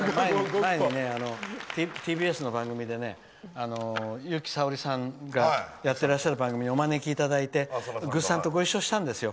前にね、ＴＢＳの番組で由紀さおりさんがやっていらっしゃる番組にお招きいただいて、ぐっさんとご一緒したんですよ。